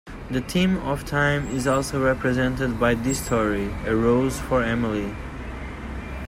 The theme of time is also represented by this story, "A Rose for Emily".